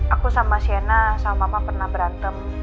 aku sama shena sama mama pernah berantem